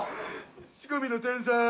仕込みの天才！